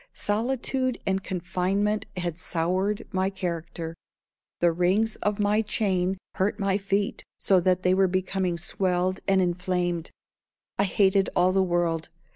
Solitude and confinement had soured my character. The rings of my chain hurt my feet so that they were becoming swelled and inflamed. I hated all the world.